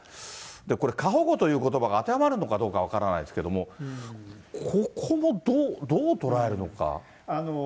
これ、過保護ということばが当てはまるのかどうか分からないですけど、ここもどうとらえるのか。